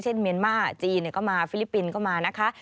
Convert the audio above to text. เมียนมาร์จีนก็มาฟิลิปปินส์ก็มานะคะ